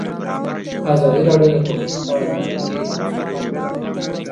ازادي راډیو د کلتور په اړه تاریخي تمثیلونه وړاندې کړي.